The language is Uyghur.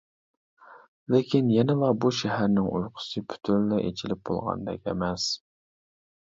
لېكىن يەنىلا بۇ شەھەرنىڭ ئۇيقۇسى پۈتۈنلەي ئېچىلىپ بولغاندەك ئەمەس.